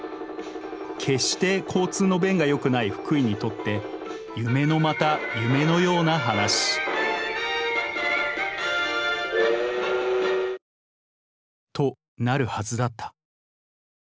決して交通の便がよくない福井にとって夢のまた夢のような話となるはずだった